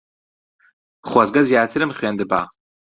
خۆزگە زیاترم خوێندبا.